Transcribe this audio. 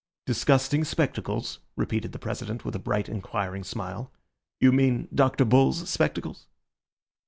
"Disgusting spectacles?" repeated the President, with a bright, inquiring smile. "You mean Dr. Bull's spectacles?"